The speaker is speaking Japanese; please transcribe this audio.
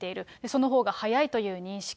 そのほうが早いという認識。